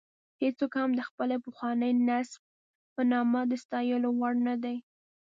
هېڅوک هم د خپل پخواني نسب په نامه د ستایلو وړ نه دی.